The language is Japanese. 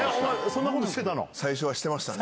そんなことしてたの？